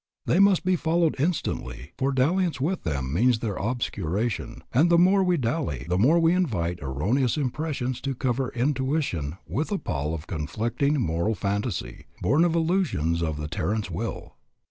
They must be followed instantly, for dalliance with them means their obscuration, and the more we dally the more we invite erroneous impressions to cover intuition with a pall of conflicting moral phantasy born of illusions of the terrence will.